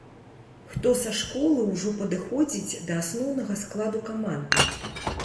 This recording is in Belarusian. Хто са школы ўжо падыходзіць да асноўнага складу каманды.